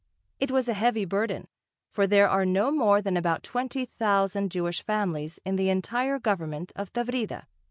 It was a heavy burden, for there are no more than about twenty thousand Jewish families in the entire government of Tavrida.